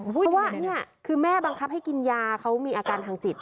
เพราะว่านี่คือแม่บังคับให้กินยาเขามีอาการทางจิต